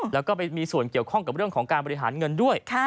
แล้วก็ไปมีส่วนเกี่ยวข้องกับเรื่องของการบริหารเงินด้วย